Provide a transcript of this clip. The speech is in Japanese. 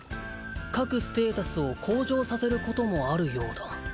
「各ステータスを向上させることもあるようだ」